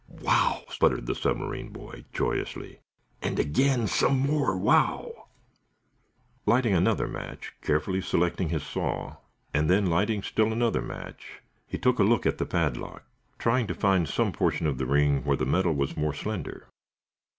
"Wow!" sputtered the submarine boy, joyously. "And again some more wow!" Lighting another match, carefully selecting his saw, and then lighting still another match, he took a look at the padlock, trying to find some portion of the ring where the metal was more slender.